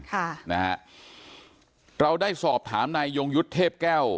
ค่ะนะฮะเราได้สอบถามนายยงยุทธ์เทพแก้ว